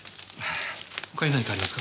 ほかに何かありますか？